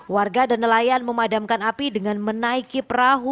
warga dan nelayan memadamkan api dengan menaiki perahu